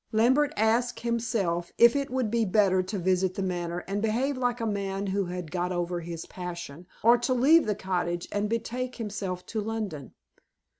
Lambert asked himself if it would be better to visit The Manor and behave like a man who has got over his passion, or to leave the cottage and betake himself to London.